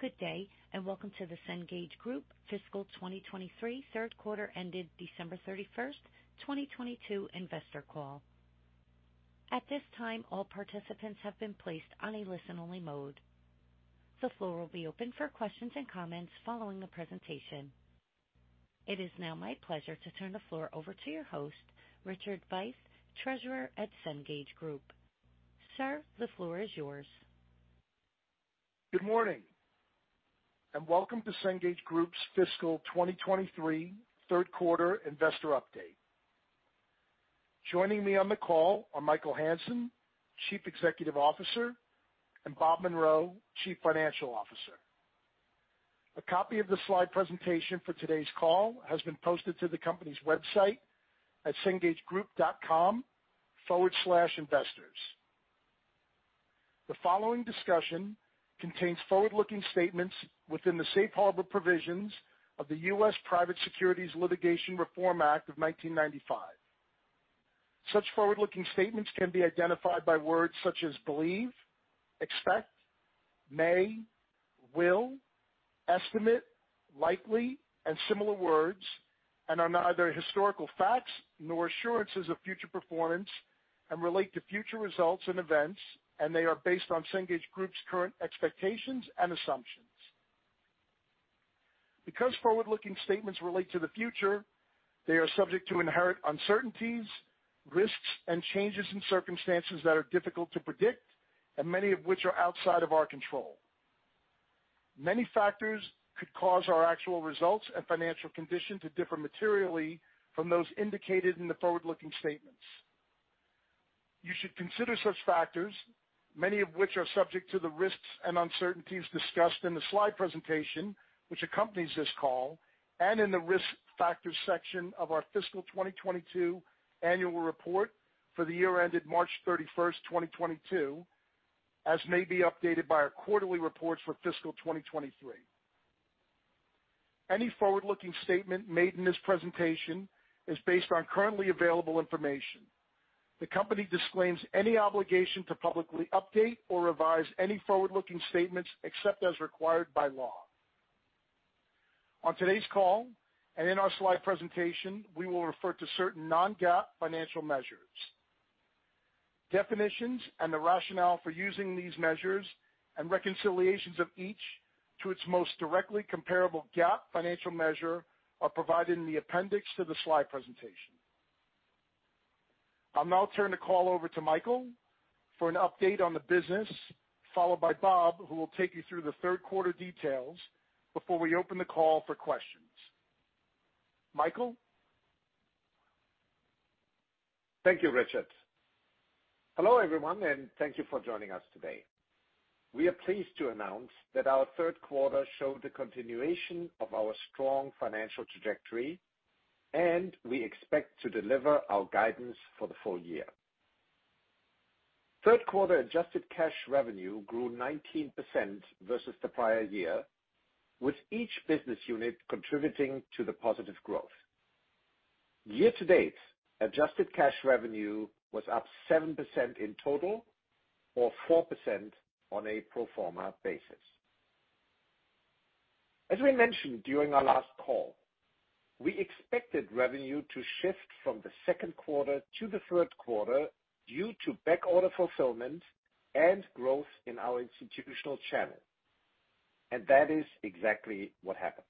Good day, and welcome to the Cengage Group Fiscal 2023 Q3 ended December 31, 2022 investor call. At this time, all participants have been placed on a listen-only mode. The floor will be open for questions and comments following the presentation. It is now my pleasure to turn the floor over to your host, Richard Veith, Treasurer at Cengage Group. Sir, the floor is yours. Good morning, welcome to Cengage Group's fiscal 2023 Q3 investor update. Joining me on the call are Michael Hansen, Chief Executive Officer, and Bob Munro, Chief Financial Officer. A copy of the slide presentation for today's call has been posted to the company's website at cengagegroup.com/investors. The following discussion contains forward-looking statements within the safe harbor provisions of the U.S. Private Securities Litigation Reform Act of 1995. Such forward-looking statements can be identified by words such as believe, expect, may, will, estimate, likely, and similar words, are neither historical facts nor assurances of future performance and relate to future results and events. They are based on Cengage Group's current expectations and assumptions. Because forward-looking statements relate to the future, they are subject to inherent uncertainties, risks, and changes in circumstances that are difficult to predict and many of which are outside of our control. Many factors could cause our actual results and financial condition to differ materially from those indicated in the forward-looking statements. You should consider such factors, many of which are subject to the risks and uncertainties discussed in the slide presentation which accompanies this call and in the risk factors section of our fiscal 2022 annual report for the year ended March 31st, 2022, as may be updated by our quarterly reports for fiscal 2023. Any forward-looking statement made in this presentation is based on currently available information. The company disclaims any obligation to publicly update or revise any forward-looking statements except as required by law. On today's call and in our slide presentation, we will refer to certain non-GAAP financial measures. Definitions and the rationale for using these measures and reconciliations of each to its most directly comparable GAAP financial measure are provided in the appendix to the slide presentation. I'll now turn the call over to Michael for an update on the business, followed by Bob, who will take you through the Q3 details before we open the call for questions. Michael? Thank you, Richard. Hello, everyone, and thank you for joining us today. We are pleased to announce that our Q3 showed the continuation of our strong financial trajectory, and we expect to deliver our guidance for the full year. Q3 Adjusted Cash Revenue grew 19% versus the prior year, with each business unit contributing to the positive growth. Year to date, Adjusted Cash Revenue was up 7% in total or 4% on a pro forma basis. As we mentioned during our last call, we expected revenue to shift from the Q2 to the Q3 due to backorder fulfillment and growth in our institutional channel. That is exactly what happened.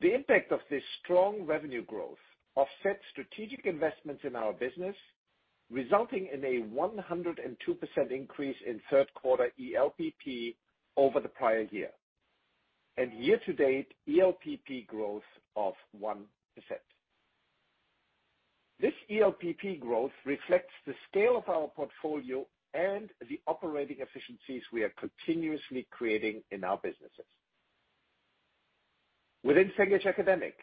The impact of this strong revenue growth offset strategic investments in our business, resulting in a 102% increase in Q3 ELPP over the prior year. Year-to-date, ELPP growth of 1%. This ELPP growth reflects the scale of our portfolio and the operating efficiencies we are continuously creating in our businesses. Within Cengage Academic,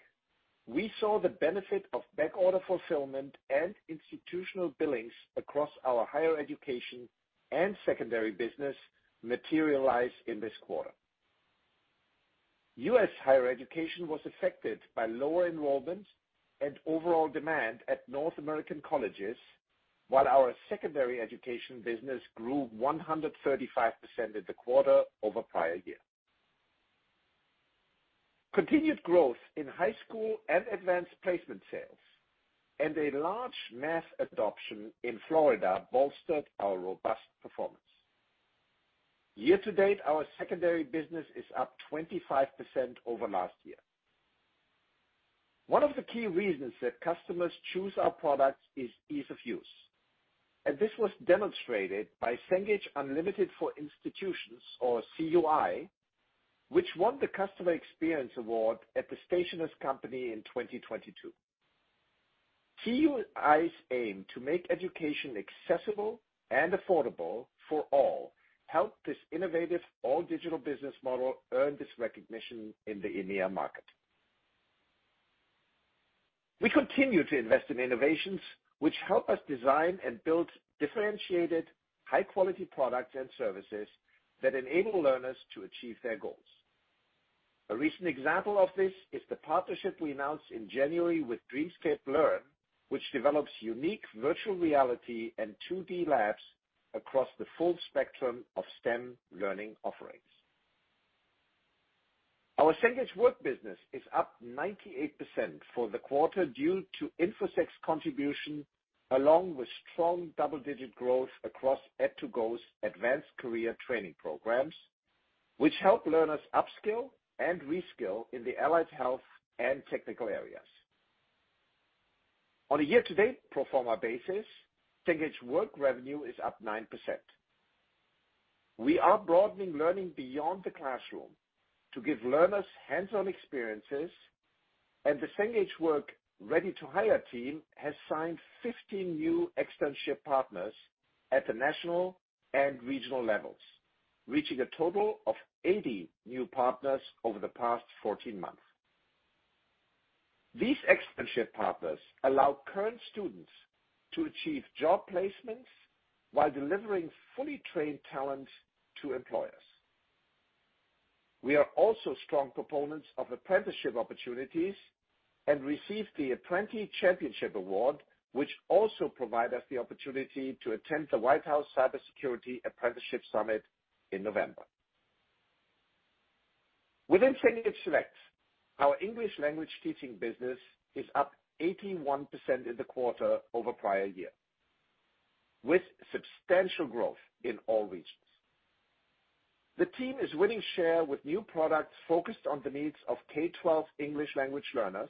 we saw the benefit of backorder fulfillment and institutional billings across our higher education and secondary business materialize in this quarter. US higher education was affected by lower enrollment and overall demand at North American colleges, while our secondary education business grew 135% in the quarter over prior year. Continued growth in high school and Advanced Placement sales and a large mass adoption in Florida bolstered our robust performance. Year-to-date, our secondary business is up 25% over last year. One of the key reasons that customers choose our products is ease of use. This was demonstrated by Cengage Unlimited for Institutions or CUI, which won the Customer Experience Award at the Stationers' Company in 2022. CUI's aim to make education accessible and affordable for all helped this innovative all-digital business model earn this recognition in the EMEA market. We continue to invest in innovations which help us design and build differentiated high-quality products and services that enable learners to achieve their goals. A recent example of this is the partnership we announced in January with Dreamscape Learn, which develops unique virtual reality and 2D labs across the full spectrum of STEM learning offerings. Our Cengage Work business is up 98% for the quarter due to Infosec' contribution, along with strong double-digit growth across ed2go's advanced career training programs, which help learners upskill and reskill in the allied health and technical areas. On a year-to-date pro forma basis, Cengage Work revenue is up 9%. We are broadening learning beyond the classroom to give learners hands-on experiences. The Cengage Work Ready to Hire team has signed 50 new externship partners at the national and regional levels, reaching a total of 80 new partners over the past 14 months. These externship partners allow current students to achieve job placements while delivering fully trained talent to employers. We are also strong proponents of apprenticeship opportunities and received the Apprenti Champion Award, which also provide us the opportunity to attend the White House Cybersecurity Apprenticeship Sprint in November. Within Cengage Select, our English language teaching business is up 81% in the quarter over prior year, with substantial growth in all regions. The team is winning share with new products focused on the needs of K-12 English language learners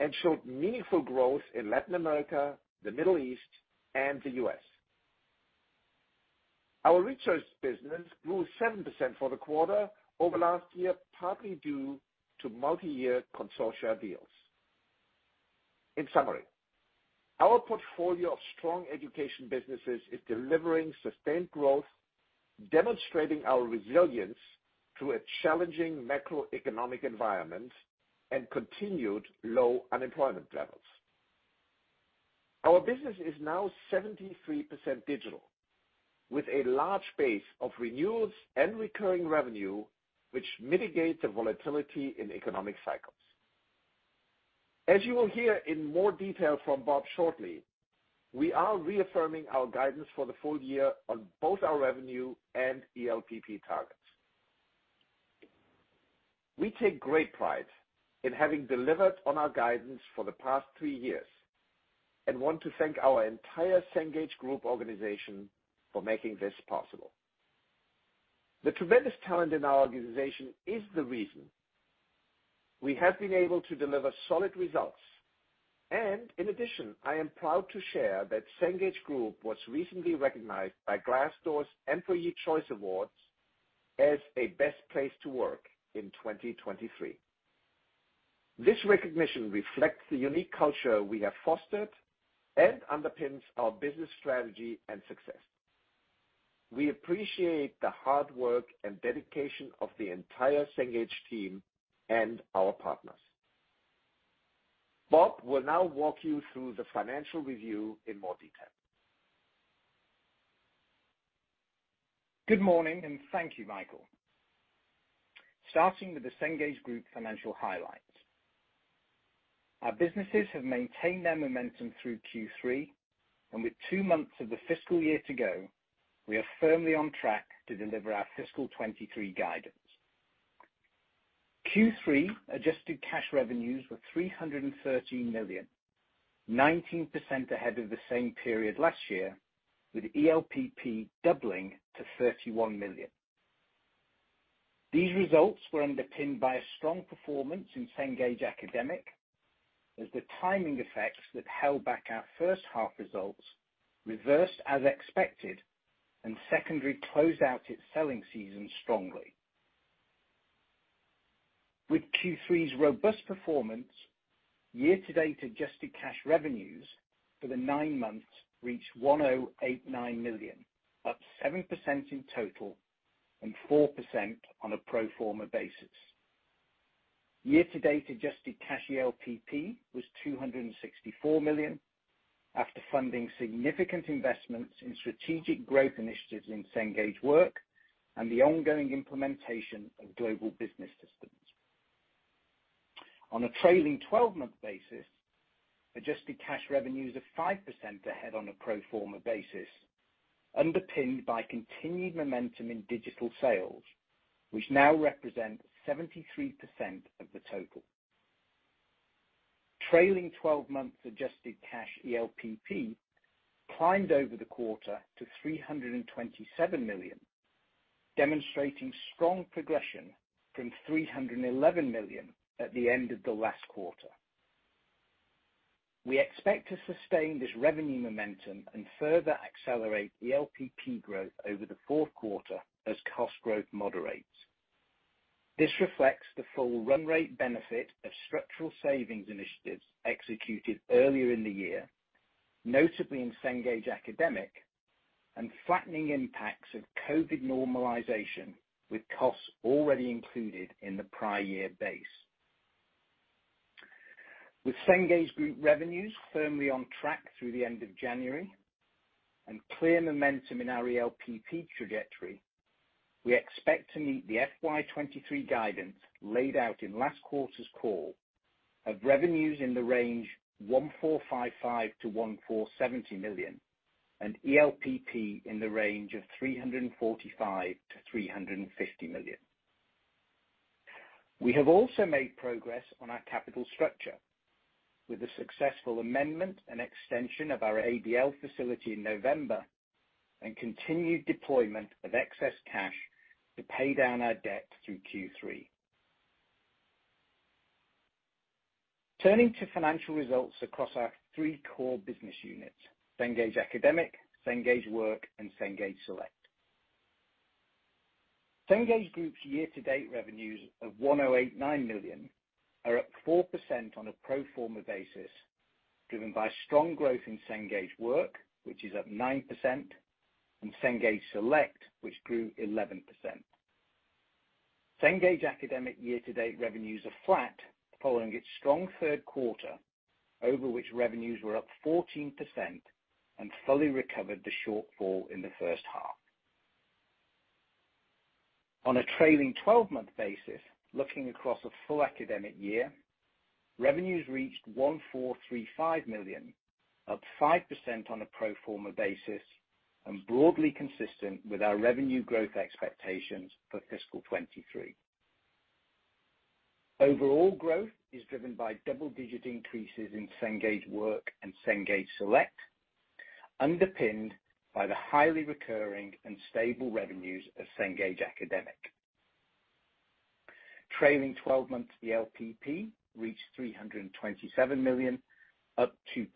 and showed meaningful growth in Latin America, the Middle East, and the U.S. Our research business grew 7% for the quarter over last year, partly due to multi-year consortia deals. In summary, our portfolio of strong education businesses is delivering sustained growth, demonstrating our resilience through a challenging macroeconomic environment and continued low unemployment levels. Our business is now 73% digital, with a large base of renewals and recurring revenue, which mitigates the volatility in economic cycles. As you will hear in more detail from Bob shortly, we are reaffirming our guidance for the full year on both our revenue and ELPP targets. We take great pride in having delivered on our guidance for the past three years and want to thank our entire Cengage Group organization for making this possible. The tremendous talent in our organization is the reason we have been able to deliver solid results. In addition, I am proud to share that Cengage Group was recently recognized by Glassdoor's Employees' Choice Awards as a best place to work in 2023. This recognition reflects the unique culture we have fostered and underpins our business strategy and success. We appreciate the hard work and dedication of the entire Cengage team and our partners. Bob will now walk you through the financial review in more detail. Good morning, and thank you, Michael. Starting with the Cengage Group financial highlights. Our businesses have maintained their momentum through Q3, and with two months of the fiscal year to go, we are firmly on track to deliver our fiscal 2023 guidance. Q3 Adjusted Cash Revenue were $313 million, 19% ahead of the same period last year, with ELPP doubling to $31 million. These results were underpinned by a strong performance in Cengage Academic, as the timing effects that held back our first half results reversed as expected and Secondary closed out its selling season strongly. With Q3's robust performance, year-to-date Adjusted Cash Revenue for the nine months reached $1,089 million, up 7% in total and 4% on a pro forma basis. Year-to-date adjusted cash ELPP was $264 million after funding significant investments in strategic growth initiatives in Cengage Work and the ongoing implementation of global business systems. On a trailing 12-month basis, Adjusted Cash Revenues are 5% ahead on a pro forma basis, underpinned by continued momentum in digital sales, which now represent 73% of the total. Trailing 12-month adjusted cash ELPP climbed over the quarter to $327 million, demonstrating strong progression from $311 million at the end of the last quarter. We expect to sustain this revenue momentum and further accelerate ELPP growth over the Q4 as cost growth moderates. This reflects the full run rate benefit of structural savings initiatives executed earlier in the year, notably in Cengage Academic and flattening impacts of COVID normalization, with costs already included in the prior year base. With Cengage Group revenues firmly on track through the end of January and clear momentum in our ELPP trajectory, we expect to meet the FY 2023 guidance laid out in last quarter's call of revenues in the range $1,455 million-$1,470 million and ELPP in the range of $345 million-$350 million. We have also made progress on our capital structure with the successful amendment and extension of our ABL facility in November and continued deployment of excess cash to pay down our debt through Q3. Turning to financial results across our three core business units, Cengage Academic, Cengage Work, and Cengage Select. Cengage Group's year-to-date revenues of $1,089 million are up 4% on a pro forma basis, driven by strong growth in Cengage Work, which is up 9%, and Cengage Select, which grew 11%. Cengage Academic year-to-date revenues are flat following its strong Q3, over which revenues were up 14% and fully recovered the shortfall in the first half. On a trailing 12-month basis, looking across a full academic year, revenues reached $1,435 million, up 5% on a pro forma basis and broadly consistent with our revenue growth expectations for fiscal 23. Overall growth is driven by double-digit increases in Cengage Work and Cengage Select, underpinned by the highly recurring and stable revenues of Cengage Academic. Trailing 12-month ELPP reached $327 million, up 2%.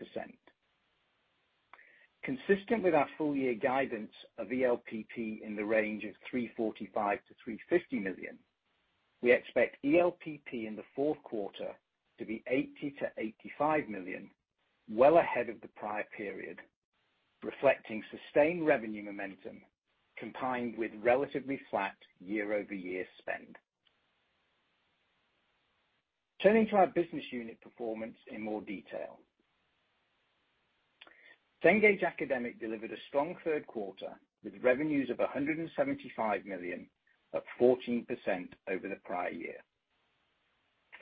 Consistent with our full year guidance of ELPP in the range of $345 million-$350 million, we expect ELPP in the Q4 to be $80 million-$85 million, well ahead of the prior period, reflecting sustained revenue momentum combined with relatively flat year-over-year spend. Turning to our business unit performance in more detail. Cengage Academic delivered a strong Q3 with revenues of $175 million, up 14% over the prior year.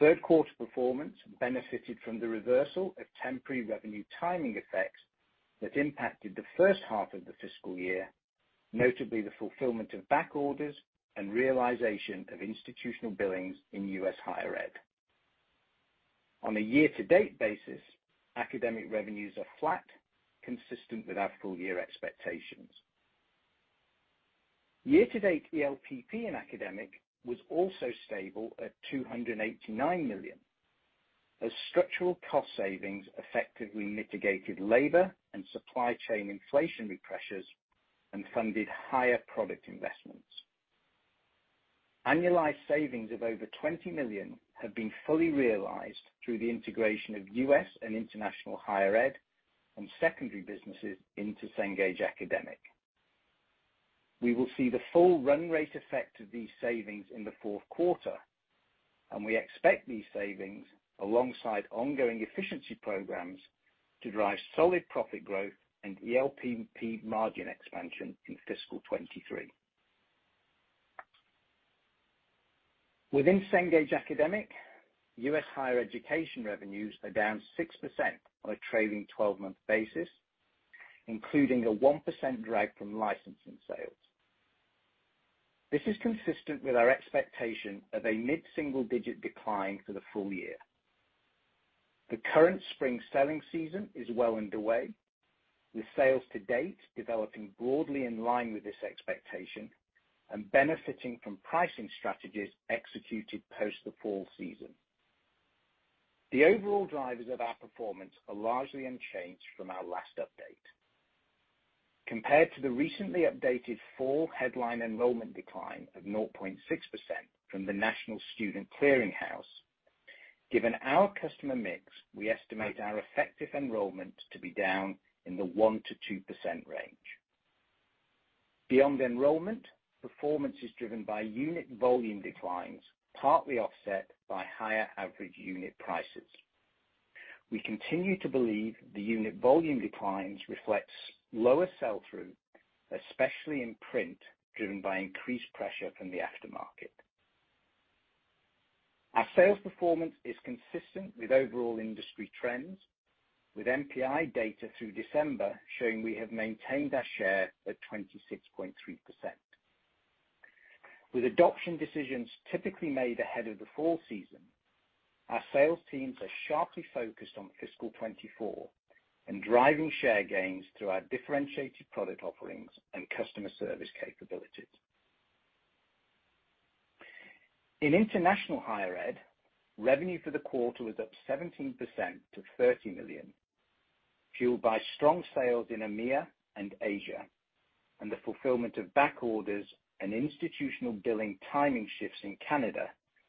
Q3 performance benefited from the reversal of temporary revenue timing effects that impacted the first half of the fiscal year, notably the fulfillment of back orders and realization of institutional billings in U.S. higher ed. On a year-to-date basis, academic revenues are flat, consistent with our full year expectations. Year-to-date ELPP in Cengage Academic was also stable at $289 million as structural cost savings effectively mitigated labor and supply chain inflationary pressures and funded higher product investments. Annualized savings of over $20 million have been fully realized through the integration of U.S. and international higher ed and secondary businesses into Cengage Academic. We will see the full run rate effect of these savings in the Q4, we expect these savings, alongside ongoing efficiency programs, to drive solid profit growth and ELPP margin expansion in fiscal 2023. Within Cengage Academic, U.S. higher education revenues are down 6% on a trailing 12-month basis, including a 1% drag from licensing sales. This is consistent with our expectation of a mid-single-digit decline for the full year. The current spring selling season is well underway, with sales to date developing broadly in line with this expectation and benefiting from pricing strategies executed post the fall season. The overall drivers of our performance are largely unchanged from our last update. Compared to the recently updated fall headline enrollment decline of 0.6% from the National Student Clearinghouse, given our customer mix, we estimate our effective enrollment to be down in the 1%-2% range. Beyond enrollment, performance is driven by unit volume declines, partly offset by higher average unit prices. We continue to believe the unit volume declines reflects lower sell through, especially in print, driven by increased pressure from the aftermarket. Our sales performance is consistent with overall industry trends, with MPI data through December showing we have maintained our share at 26.3%. With adoption decisions typically made ahead of the fall season, our sales teams are sharply focused on fiscal 2024 and driving share gains through our differentiated product offerings and customer service capabilities. In international higher ed, revenue for the quarter was up 17% to $30 million, fueled by strong sales in EMEA and Asia and the fulfillment of back orders and institutional billing timing shifts in Canada,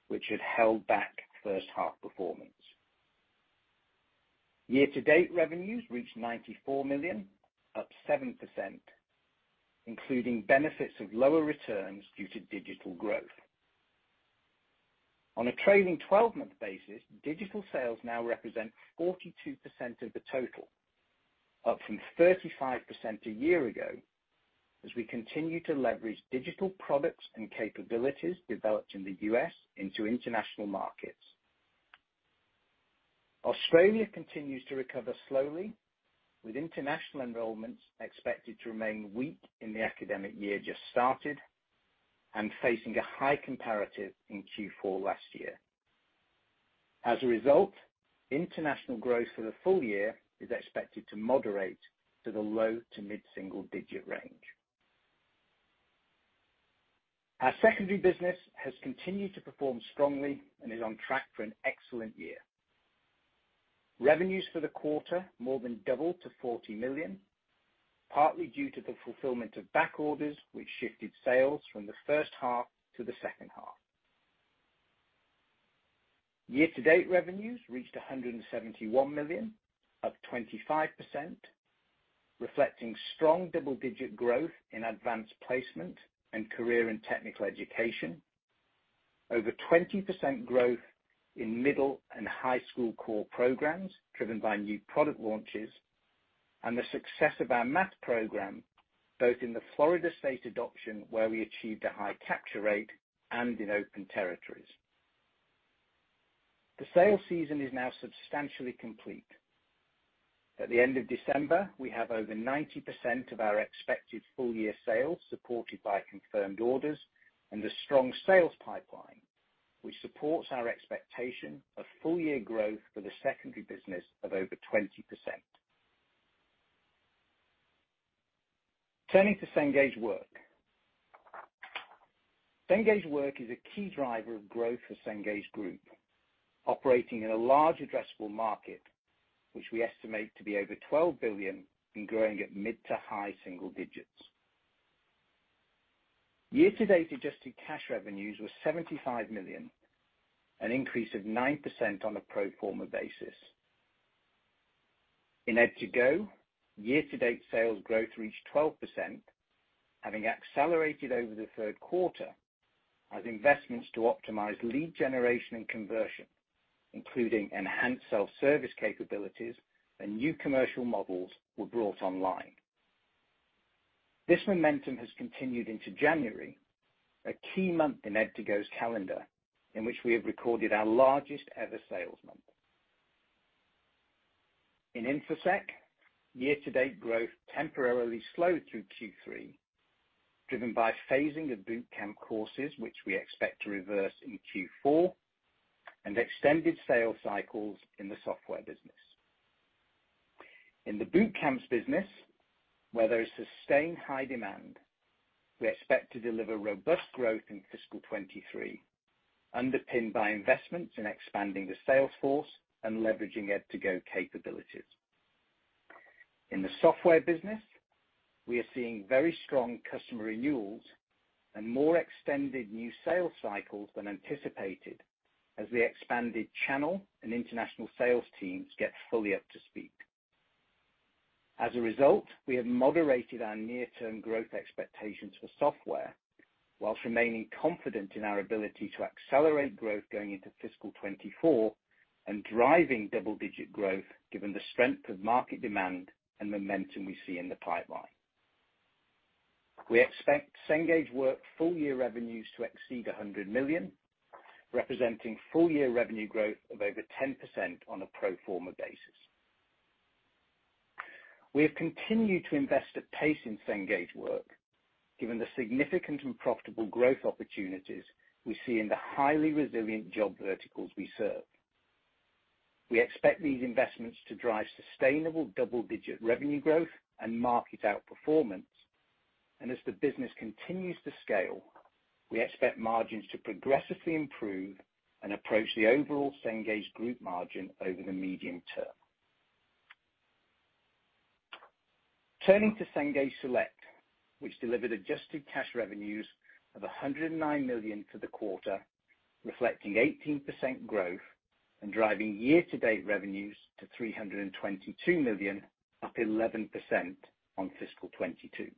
which had held back first half performance. Year to date revenues reached $94 million, up 7%. Including benefits of lower returns due to digital growth. On a trailing 12-month basis, digital sales now represent 42% of the total, up from 35% a year ago, as we continue to leverage digital products and capabilities developed in the U.S. into international markets. Australia continues to recover slowly, with international enrollments expected to remain weak in the academic year just started and facing a high comparative in Q4 last year. International growth for the full year is expected to moderate to the low to mid-single digit range. Our secondary business has continued to perform strongly and is on track for an excellent year. Revenues for the quarter more than doubled to $40 million, partly due to the fulfillment of back orders, which shifted sales from the first half to the second half. Year-to-date revenues reached $171 million, up 25%, reflecting strong double-digit growth in Advanced Placement and career and technical education. Over 20% growth in middle and high school core programs, driven by new product launches and the success of our math program, both in the Florida State adoption, where we achieved a high capture rate and in open territories. The sales season is now substantially complete. At the end of December, we have over 90% of our expected full-year sales supported by confirmed orders and a strong sales pipeline, which supports our expectation of full-year growth for the secondary business of over 20%. Turning to Cengage Work. Cengage Work is a key driver of growth for Cengage Group, operating in a large addressable market, which we estimate to be over $12 billion and growing at mid to high single digits. Year-to-date Adjusted Cash Revenues were $75 million, an increase of 9% on a pro forma basis. In ed2go, year-to-date sales growth reached 12%, having accelerated over the Q3 as investments to optimize lead generation and conversion, including enhanced self-service capabilities and new commercial models were brought online. This momentum has continued into January, a key month in ed2go's calendar, in which we have recorded our largest-ever sales month. In Infosec, year-to-date growth temporarily slowed through Q3, driven by phasing of boot camp courses, which we expect to reverse in Q4, and extended sales cycles in the software business. In the boot camps business, where there is sustained high demand, we expect to deliver robust growth in fiscal 23, underpinned by investments in expanding the sales force and leveraging ed2go capabilities. In the software business, we are seeing very strong customer renewals and more extended new sales cycles than anticipated as the expanded channel and international sales teams get fully up to speed. As a result, we have moderated our near-term growth expectations for software whilst remaining confident in our ability to accelerate growth going into fiscal 2024 and driving double-digit growth given the strength of market demand and momentum we see in the pipeline. We expect Cengage Work full-year revenues to exceed $100 million, representing full-year revenue growth of over 10% on a pro forma basis. We have continued to invest at pace in Cengage Work given the significant and profitable growth opportunities we see in the highly resilient job verticals we serve. We expect these investments to drive sustainable double-digit revenue growth and market outperformance. As the business continues to scale, we expect margins to progressively improve and approach the overall Cengage Group margin over the medium term. Turning to Cengage Select, which delivered Adjusted Cash Revenues of $109 million for the quarter, reflecting 18% growth and driving year-to-date revenues to $322 million, up 11% on fiscal 2022.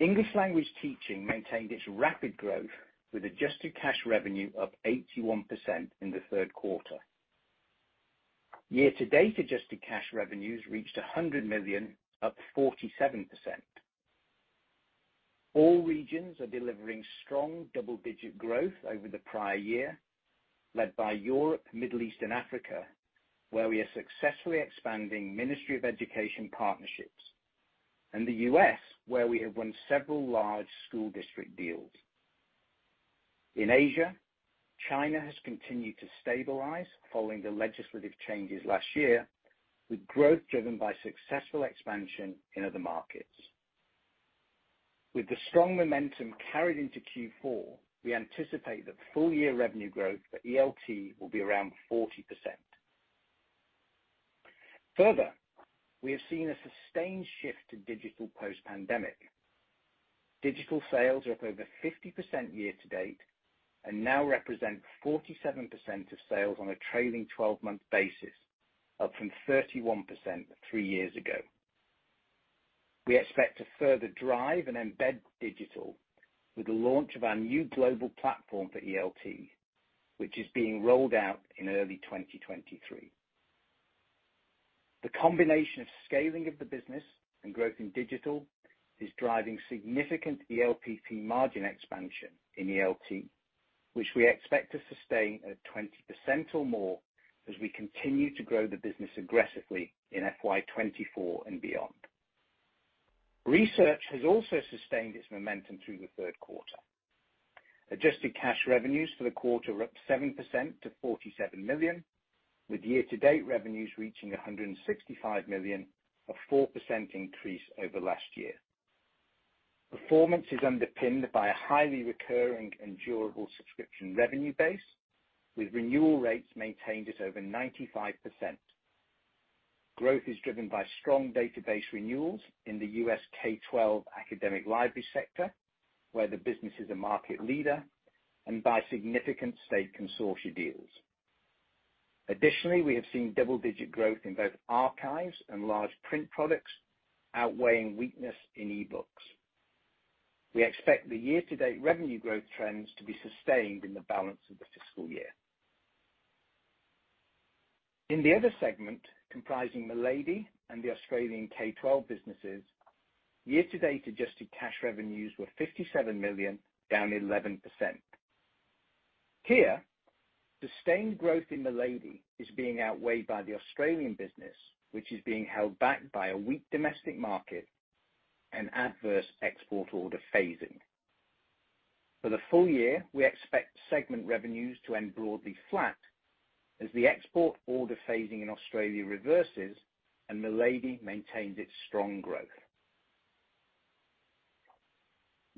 English language teaching maintained its rapid growth with Adjusted Cash Revenue up 81% in the Q3. Year-to-date Adjusted Cash Revenues reached $100 million, up 47%. All regions are delivering strong double-digit growth over the prior year, led by Europe, Middle East, and Africa, where we are successfully expanding Ministry of Education partnerships, and the U.S., where we have won several large school district deals. In Asia, China has continued to stabilize following the legislative changes last year, with growth driven by successful expansion in other markets. With the strong momentum carried into Q4, we anticipate that full-year revenue growth for ELT will be around 40%. We have seen a sustained shift to digital post-pandemic. Digital sales are up over 50% year to date, and now represent 47% of sales on a trailing 12-month basis, up from 31% three years ago. We expect to further drive and embed digital with the launch of our new global platform for ELT, which is being rolled out in early 2023. The combination of scaling of the business and growth in digital is driving significant ELPP margin expansion in ELT, which we expect to sustain at 20% or more as we continue to grow the business aggressively in FY 2024 and beyond. Research has also sustained its momentum through the Q3. Adjusted Cash Revenues for the quarter were up 7% to $47 million, with year-to-date revenues reaching $165 million, a 4% increase over last year. Performance is underpinned by a highly recurring and durable subscription revenue base, with renewal rates maintained at over 95%. Growth is driven by strong database renewals in the US K-12 academic library sector, where the business is a market leader, and by significant state consortia deals. Additionally, we have seen double-digit growth in both archives and large print products, outweighing weakness in e-books. We expect the year-to-date revenue growth trends to be sustained in the balance of the fiscal year. In the other segment, comprising Milady and the Australian K-12 businesses, year-to-date adjusted cash revenues were $57 million, down 11%. Here, sustained growth in Milady is being outweighed by the Australian business, which is being held back by a weak domestic market and adverse export order phasing. For the full year, we expect segment revenues to end broadly flat as the export order phasing in Australia reverses and Milady maintains its strong growth.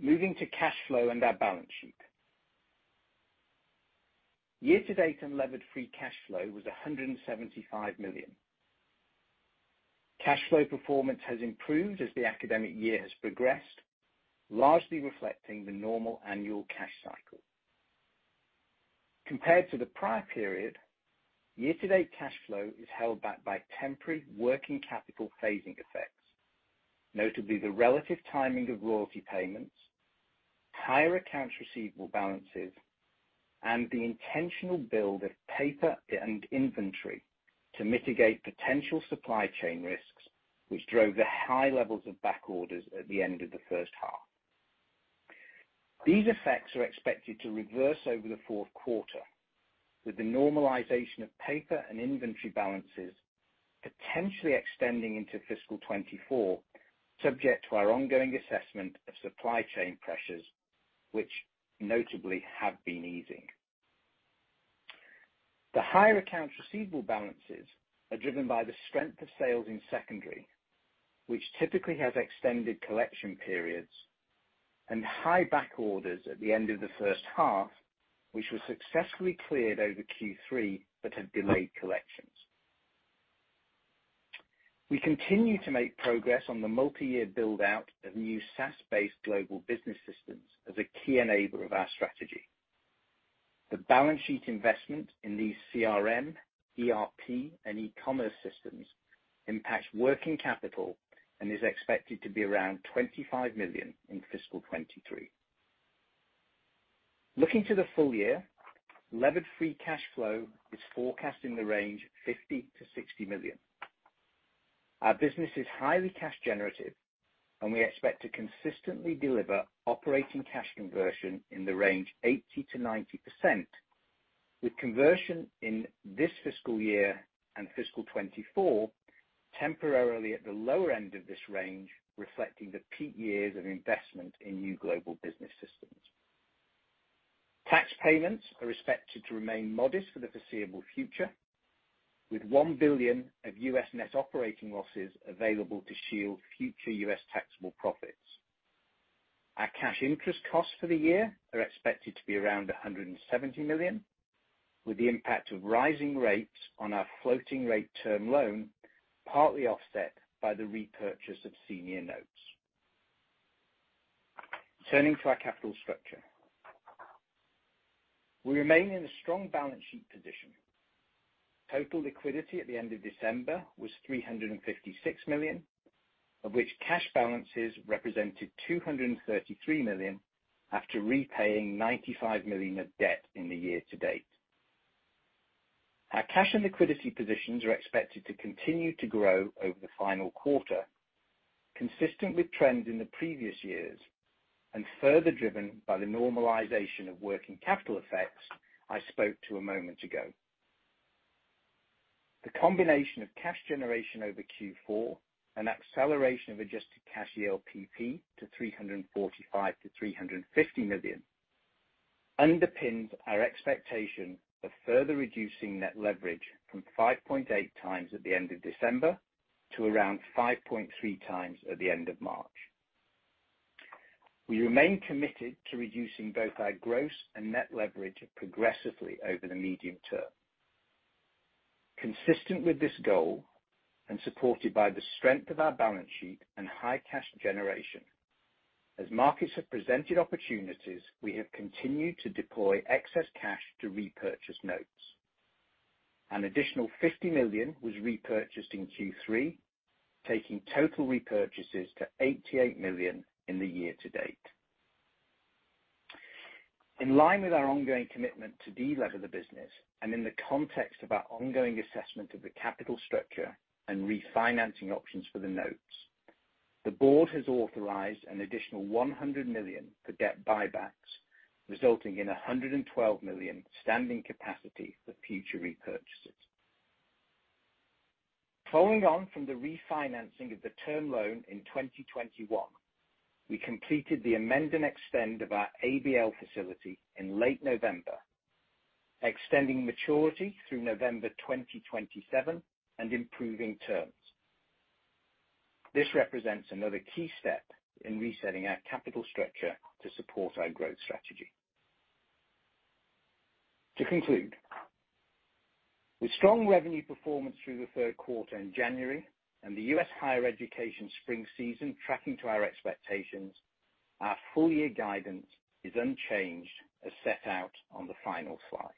Moving to cash flow and our balance sheet. Year-to-date, unlevered free cash flow was $175 million. Cash flow performance has improved as the academic year has progressed, largely reflecting the normal annual cash cycle. Compared to the prior period, year-to-date cash flow is held back by temporary working capital phasing effects, notably the relative timing of royalty payments, higher accounts receivable balances, and the intentional build of paper and inventory to mitigate potential supply chain risks which drove the high levels of back orders at the end of the first half. These effects are expected to reverse over the Q4, with the normalization of paper and inventory balances potentially extending into fiscal 2024, subject to our ongoing assessment of supply chain pressures, which notably have been easing. The higher accounts receivable balances are driven by the strength of sales in secondary, which typically has extended collection periods and high back orders at the end of the first half, which was successfully cleared over Q3, have delayed collections. We continue to make progress on the multi-year build-out of new SaaS-based global business systems as a key enabler of our strategy. The balance sheet investment in these CRM, ERP, and e-commerce systems impacts working capital and is expected to be around $25 million in fiscal 2023. Looking to the full year, levered free cash flow is forecast in the range $50 million-$60 million. Our business is highly cash generative, we expect to consistently deliver operating cash conversion in the range 80%-90%, with conversion in this fiscal year and fiscal 2024 temporarily at the lower end of this range, reflecting the peak years of investment in new global business systems. Tax payments are expected to remain modest for the foreseeable future, with $1 billion of U.S. net operating losses available to shield future U.S. taxable profits. Our cash interest costs for the year are expected to be around $170 million, with the impact of rising rates on our floating rate term loan partly offset by the repurchase of senior notes. Turning to our capital structure. We remain in a strong balance sheet position. Total liquidity at the end of December was $356 million, of which cash balances represented $233 million after repaying $95 million of debt in the year to date. Our cash and liquidity positions are expected to continue to grow over the final quarter, consistent with trends in the previous years and further driven by the normalization of working capital effects I spoke to a moment ago. The combination of cash generation over Q4, an acceleration of Adjusted Cash ELPP to $345 million-$350 million underpins our expectation of further reducing net leverage from 5.8x at the end of December to around 5.3x at the end of March. We remain committed to reducing both our gross and net leverage progressively over the medium term. Consistent with this goal and supported by the strength of our balance sheet and high cash generation, as markets have presented opportunities, we have continued to deploy excess cash to repurchase notes. An additional $50 million was repurchased in Q3, taking total repurchases to $88 million in the year to date. In line with our ongoing commitment to de-lever the business and in the context of our ongoing assessment of the capital structure and refinancing options for the notes, the board has authorized an additional $100 million for debt buybacks, resulting in $112 million standing capacity for future repurchases. Following on from the refinancing of the term loan in 2021, we completed the amend and extend of our ABL facility in late November, extending maturity through November 2027 and improving terms. This represents another key step in resetting our capital structure to support our growth strategy. To conclude, with strong revenue performance through the Q3 in January and the U.S. higher education spring season tracking to our expectations, our full year guidance is unchanged as set out on the final slide.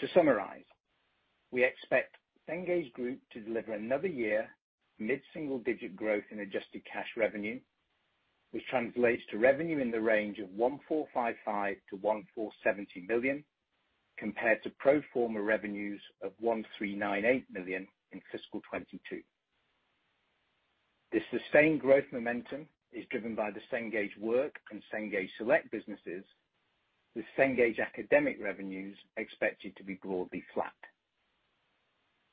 To summarize, we expect Cengage Group to deliver another year mid-single digit growth in Adjusted Cash Revenue, which translates to revenue in the range of $1,455 million-$1,470 million, compared to pro forma revenues of $1,398 million in fiscal 2022. This sustained growth momentum is driven by the Cengage Work and Cengage Select businesses, with Cengage Academic revenues expected to be broadly flat.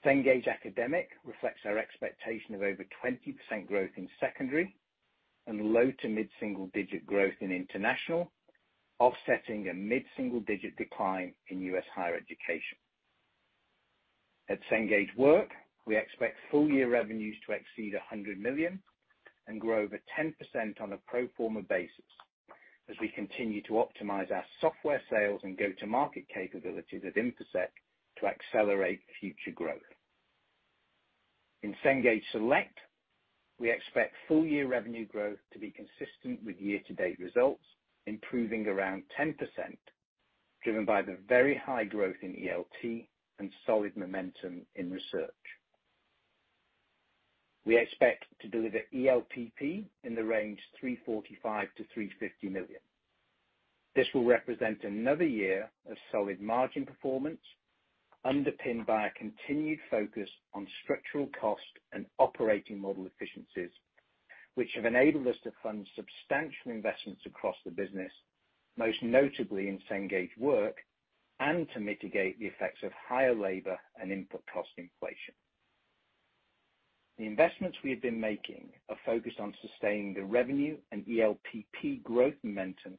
Cengage Academic reflects our expectation of over 20% growth in secondary and low to mid-single digit growth in international, offsetting a mid-single digit decline in U.S. higher education. At Cengage Work, we expect full year revenues to exceed $100 million and grow over 10% on a pro forma basis as we continue to optimize our software sales and go-to-market capabilities at Infosec to accelerate future growth. In Cengage Select, we expect full year revenue growth to be consistent with year-to-date results, improving around 10%, driven by the very high growth in ELT and solid momentum in research. We expect to deliver ELPP in the range $345 million-$350 million. This will represent another year of solid margin performance underpinned by a continued focus on structural cost and operating model efficiencies, which have enabled us to fund substantial investments across the business, most notably in Cengage Work, and to mitigate the effects of higher labor and input cost inflation. The investments we have been making are focused on sustaining the revenue and ELPP growth momentum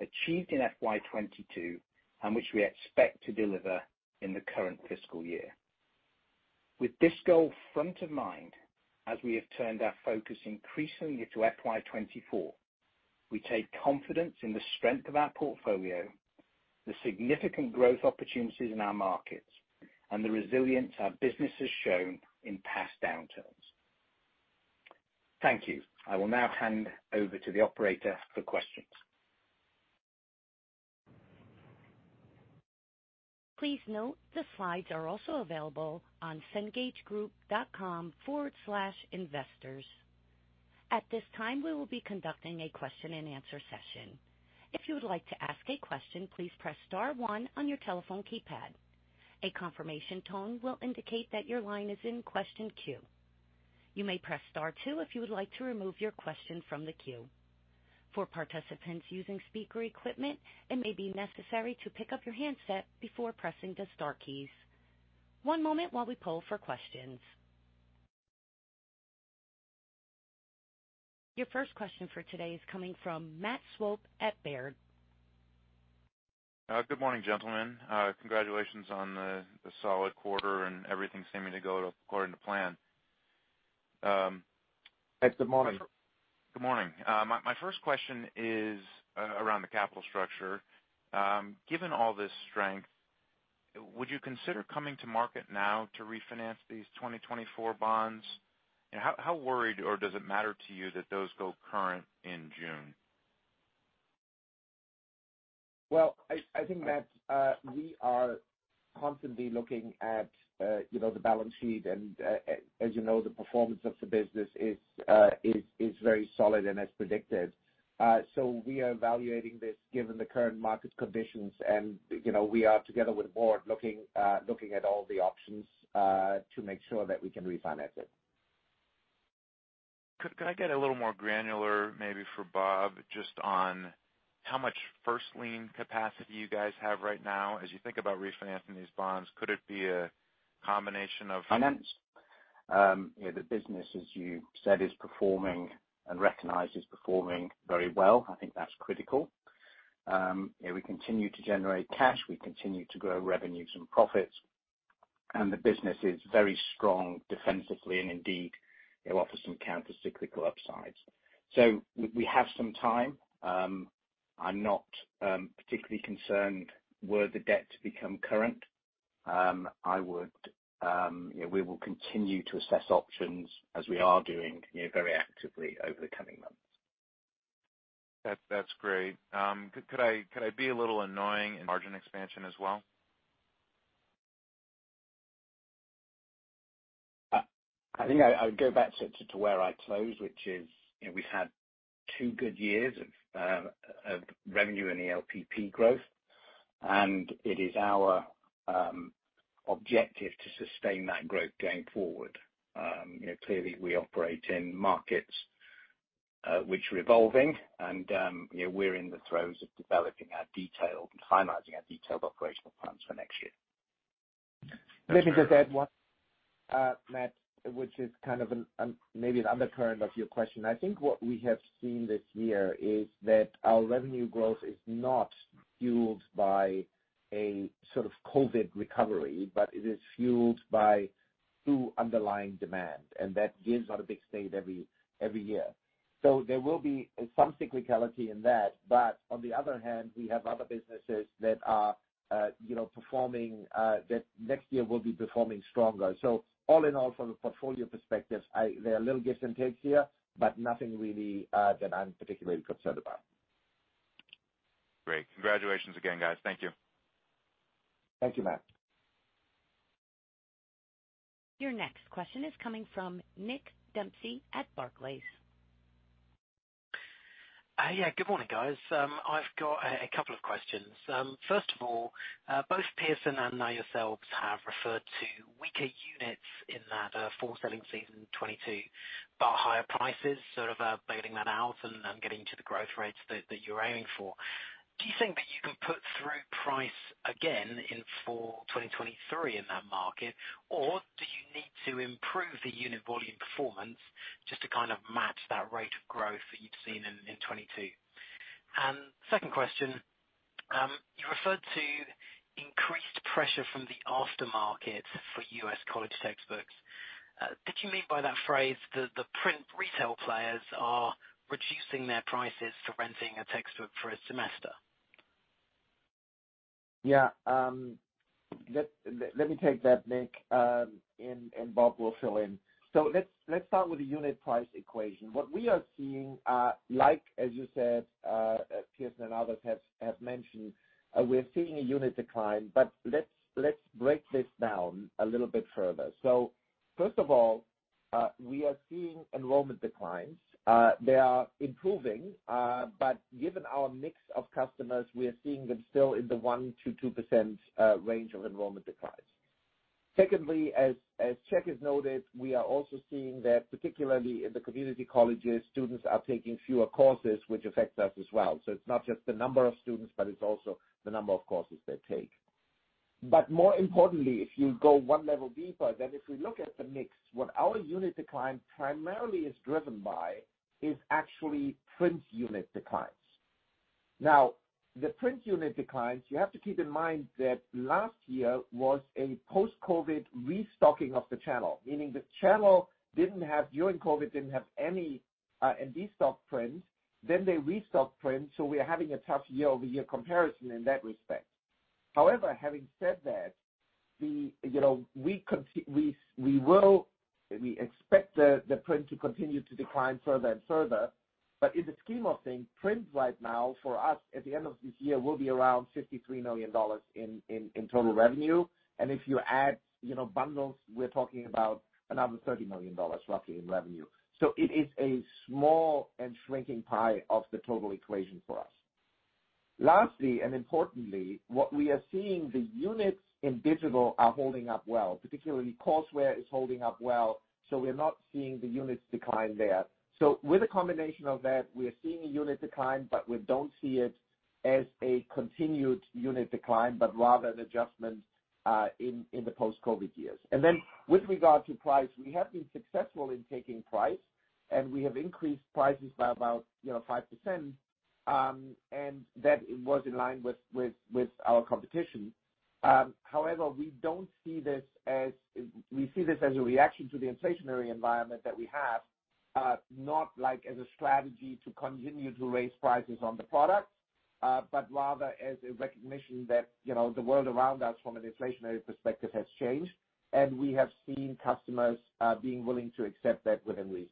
achieved in FY 2022 and which we expect to deliver in the current fiscal year. With this goal front of mind, as we have turned our focus increasingly to FY 2024, we take confidence in the strength of our portfolio, the significant growth opportunities in our markets, and the resilience our business has shown in past downturns. Thank you. I will now hand over to the operator for questions. Please note the slides are also available on cengagegroup.com/investors. At this time, we will be conducting a question and answer session. If you would like to ask a question, please press star one on your telephone keypad. A confirmation tone will indicate that your line is in question queue. You may press star two if you would like to remove your question from the queue. For participants using speaker equipment, it may be necessary to pick up your handset before pressing the star keys. One moment while we poll for questions. Your first question for today is coming from Matt Swope at Baird. good morning, gentlemen. congratulations on the solid quarter and everything seeming to go according to plan. Yes, good morning. Good morning. My first question is around the capital structure. Given all this strength, would you consider coming to market now to refinance these 2024 bonds? How worried or does it matter to you that those go current in June? Well, I think, Matt, we are constantly looking at, you know, the balance sheet. As you know, the performance of the business is very solid and as predicted. We are evaluating this given the current market conditions. You know, we are together with the board looking at all the options to make sure that we can refinance it. Could I get a little more granular maybe for Bob just on how much first lien capacity you guys have right now as you think about refinancing these bonds? Could it be a combination of? Finance? you know, the business, as you said, is performing and recognizes performing very well. I think that's critical. you know, we continue to generate cash, we continue to grow revenues and profits. The business is very strong defensively, and indeed, it offers some countercyclical upsides. We have some time. I'm not particularly concerned were the debt to become current. I would, you know, we will continue to assess options as we are doing, you know, very actively over the coming months. That's great. Could I be a little annoying in margin expansion as well? I think I would go back to where I closed, which is, you know, we've had two good years of revenue and ELPP growth. It is our objective to sustain that growth going forward. You know, clearly we operate in markets which are evolving and, you know, we're in the throes of developing our detailed and finalizing our detailed operational plans for next year. Let me just add one-. Matt, which is kind of an, maybe an undercurrent of your question. I think what we have seen this year is that our revenue growth is not fueled by a sort of COVID recovery, but it is fueled by true underlying demand, and that gives us a big state every year. There will be some cyclicality in that. On the other hand, we have other businesses that are, you know, performing, that next year will be performing stronger. All in all, from a portfolio perspective, there are little gives and takes here, but nothing really that I'm particularly concerned about. Great. Congratulations again, guys. Thank you. Thank you, Matt. Your next question is coming from Nick Dempsey at Barclays. Yeah, good morning, guys. I've got a couple of questions. First of all, both Pearson and now yourselves have referred to weaker units in that fall selling season 2022, but higher prices sort of baling that out and getting to the growth rates that you're aiming for. Do you think that you can put through price again in fall 2023 in that market? Or do you need to improve the unit volume performance just to kind of match that rate of growth that you'd seen in 2022? Second question, you referred to increased pressure from the aftermarket for U.S. college textbooks. Did you mean by that phrase that the print retail players are reducing their prices to renting a textbook for a semester? Yeah. Let me take that, Nick, and Bob will fill in. Let's start with the unit price equation. What we are seeing, like as you said, Pearson and others have mentioned, we're seeing a unit decline, let's break this down a little bit further. First of all, we are seeing enrollment declines. They are improving, given our mix of customers, we are seeing them still in the 1%-2% range of enrollment declines. Secondly, as Chuck has noted, we are also seeing that particularly in the community colleges, students are taking fewer courses, which affects us as well. It's not just the number of students, but it's also the number of courses they take. More importantly, if you go one level deeper, if we look at the mix, what our unit decline primarily is driven by is actually print unit declines. The print unit declines, you have to keep in mind that last year was a post-COVID restocking of the channel, meaning the channel didn't have during COVID, didn't have any, and de-stocked print, then they restocked print, so we're having a tough year-over-year comparison in that respect. However, having said that, you know, we will expect the print to continue to decline further and further. In the scheme of things, print right now for us at the end of this year will be around $53 million in total revenue. If you add, you know, bundles, we're talking about another $30 million roughly in revenue. It is a small and shrinking pie of the total equation for us. Lastly, and importantly, what we are seeing, the units in digital are holding up well, particularly courseware is holding up well. We're not seeing the units decline there. With a combination of that, we are seeing a unit decline, but we don't see it as a continued unit decline, but rather an adjustment in the post-COVID years. Then with regard to price, we have been successful in taking price, and we have increased prices by about, you know, 5%, and that was in line with our competition. However, we don't see this as... We see this as a reaction to the inflationary environment that we have, not like as a strategy to continue to raise prices on the product, but rather as a recognition that, you know, the world around us from an inflationary perspective has changed, and we have seen customers being willing to accept that within reason.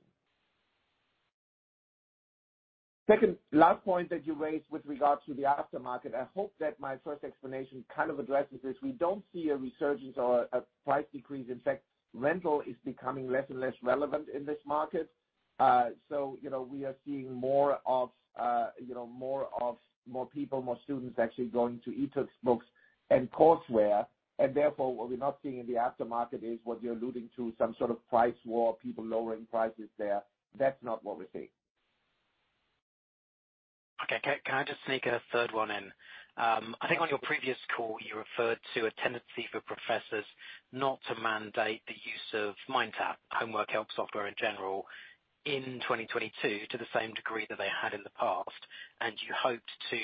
Second last point that you raised with regard to the aftermarket. I hope that my first explanation kind of addresses this. We don't see a resurgence or a price decrease. In fact, rental is becoming less and less relevant in this market. You know, we are seeing more of, you know, more of more people, more students actually going to e-textbooks and courseware, and therefore, what we're not seeing in the aftermarket is what you're alluding to, some sort of price war, people lowering prices there. That's not what we're seeing. Okay. Can I just sneak a third one in? I think on your previous call, you referred to a tendency for professors not to mandate the use of MindTap homework help software in general in 2022 to the same degree that they had in the past, and you hoped to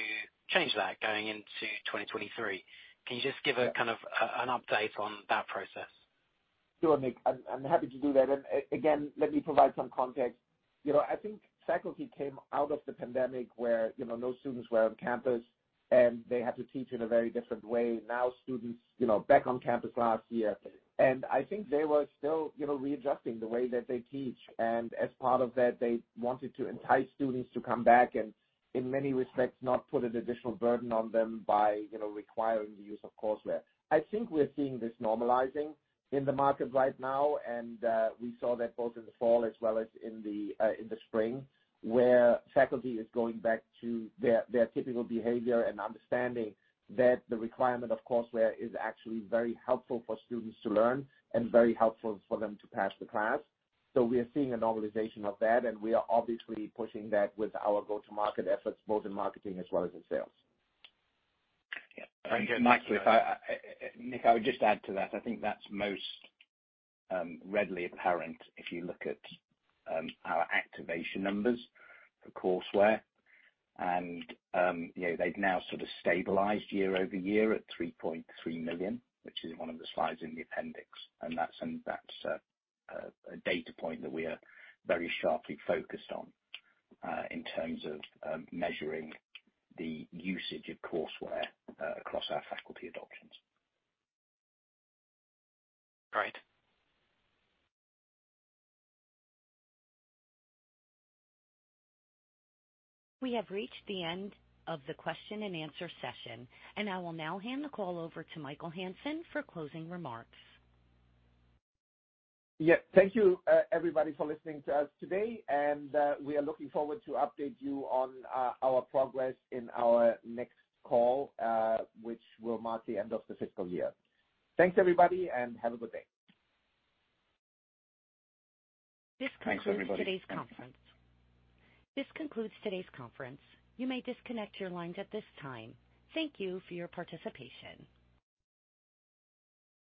change that going to 2023. Can you just give a kind of an update on that process? Sure, Nick, I'm happy to do that. Again, let me provide some context. You know, I think faculty came out of the pandemic where, you know, no students were on campus, and they had to teach in a very different way. Now, students, you know, back on campus last year, and I think they were still, you know, readjusting the way that they teach. As part of that, they wanted to entice students to come back and in many respects, not put an additional burden on them by, you know, requiring the use of courseware. I think we're seeing this normalizing in the market right now, and we saw that both in the fall as well as in the spring, where faculty is going back to their typical behavior and understanding that the requirement of courseware is actually very helpful for students to learn and very helpful for them to pass the class. We are seeing a normalization of that, and we are obviously pushing that with our go-to-market efforts, both in marketing as well as in sales. Yeah. Thank you. Mike, Nick, I would just add to that. I think that's most readily apparent if you look at our activation numbers for courseware, and you know, they've now sort of stabilized year-over-year at 3.3 million, which is in one of the slides in the appendix. That's a data point that we are very sharply focused on in terms of measuring the usage of courseware across our faculty adoptions. Great. We have reached the end of the question and answer session, and I will now hand the call over to Michael Hansen for closing remarks. Yeah. Thank you, everybody for listening to us today and we are looking forward to update you on our progress in our next call, which will mark the end of the fiscal year. Thanks, everybody, and have a good day. Thanks, everybody. This concludes today's conference. You may disconnect your lines at this time. Thank you for your participation.